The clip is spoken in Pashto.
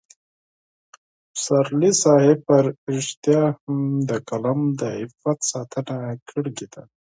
پسرلي صاحب په رښتیا هم د قلم د عفت ساتنه کړې ده.